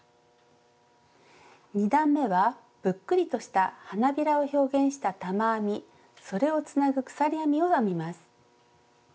２段めはぷっくりとした花びらを表現した玉編みそれをつなぐ鎖編みを編みます。